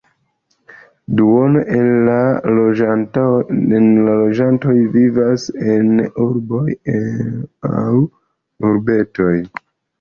Duono el la loĝantoj vivas en urboj aŭ urbetoj.